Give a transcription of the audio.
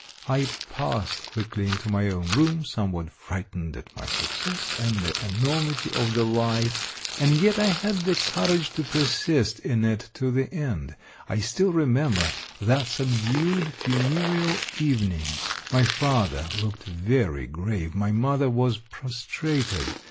I passed quickly into my own room, somewhat frightened at my success, and the enormity of the lie ; and yet I had the courage to persist in it to the end. I still remember that subdued funereal evening ; my father looked very grave, my mother was prostrated.